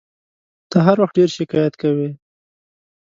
ته هر وخت ډېر شکایت کوې !